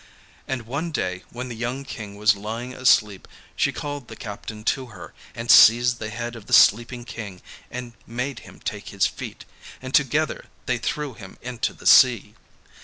And one day when the young King was lying asleep, she called the captain to her, and seized the head of the sleeping King and made him take his feet, and together they threw him into the sea.